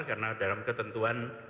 karena dalam ketentuan